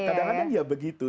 kadang kadang ya begitu